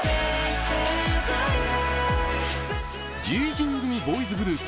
１１人組ボーイズグループ